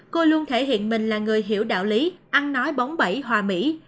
cô luôn thể hiện mình là người hiểu đạo lý ăn nói bóng bẩy hòa mỹ